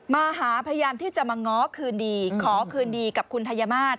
มาหาพยายามที่จะมาง้อคืนดีขอคืนดีกับคุณทัยมาศ